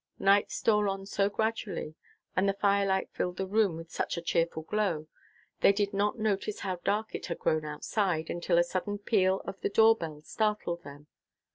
Night stole on so gradually, and the firelight filled the room with such a cheerful glow, they did not notice how dark it had grown outside, until a sudden peal of the door bell startled them.